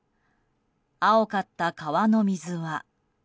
青かった川の水は。